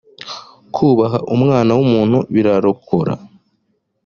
kuhaba umwana w’ umuntu birarokora